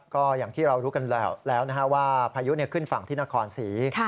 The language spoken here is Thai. ก็อย่างที่เรารู้กันแล้วว่าพายุขึ้นฝั่งที่นครศรี